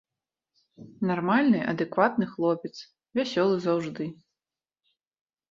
Нармальны адэкватны хлопец, вясёлы заўжды.